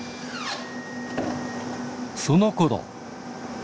そのころ。